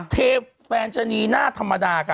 เทแฟนชะนีหน้าธรรมดาค่ะ